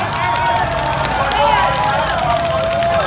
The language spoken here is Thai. ที่นี่หลังมือ